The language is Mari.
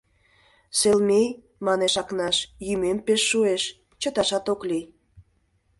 — Селмей, — манеш Акнаш, — йӱмем пеш шуэш, чыташат ок лий.